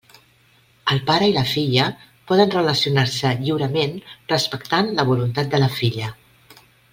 El pare i la filla poden relacionar-se lliurement respectant la voluntat de la filla.